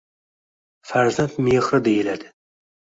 “Farzand mehri” deyiladi...